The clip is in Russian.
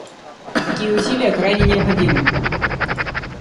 Такие усилия крайне необходимы.